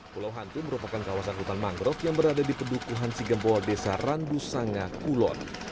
pulau hantu merupakan kawasan hutan mangrove yang berada di pendukuhan sigempol desa randu sangakulon